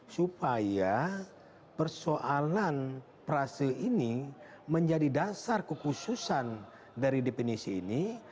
supaya persoalan prase ini menjadi dasar kekhususan dari definisi ini